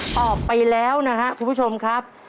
ตอบไปแล้วนะครับคุณผู้ชมครับ